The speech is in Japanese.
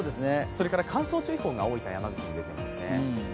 乾燥注意報が大分、山口に出ていますね。